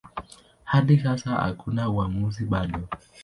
Hadi sasa hakuna uamuzi bado.